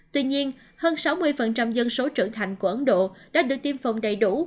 tuy nhiên hơn sáu mươi dân số trưởng thành của ấn độ đã được tiêm phòng đầy đủ